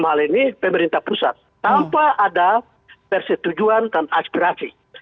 kita harus memiliki pemerintah pusat tanpa ada persetujuan dan aspirasi